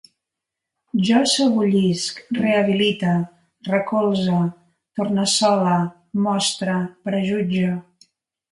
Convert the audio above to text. Jo sebollisc, rehabilite, recolze, tornassole, mostre, prejutge